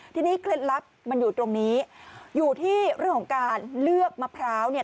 ทีนี้เคล็ดลับมันอยู่ตรงนี้อยู่ที่เรื่องของการเลือกมะพร้าวเนี่ย